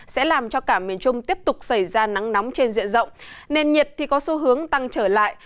sẽ làm cho cả miền trung tiếp tục xảy ra nắng nóng trên diện rộng nền nhiệt có xu hướng tăng trở lại